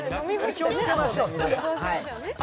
気をつけましょうね。